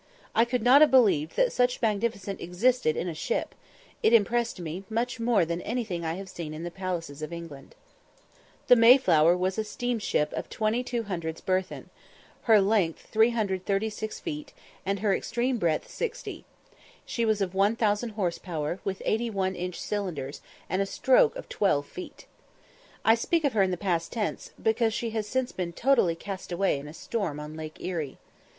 I could not have believed that such magnificence existed in a ship; it impressed me much more than anything I have seen in the palaces of England. The Mayflower was a steam ship of 2200 tons burthen, her length 336 feet, and her extreme breadth 60. She was of 1000 horse power, with 81 inch cylinders, and a stroke of 12 feet. I speak of her in the past tense, because she has since been totally cast away in a storm on Lake Erie.